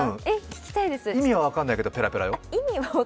意味はわかんないけどペラペラよ。